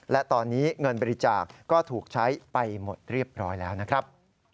และตอนนี้เงินบริจาคก็ถูกใช้ไปหมดเรียบร้อยแล้วนะครับ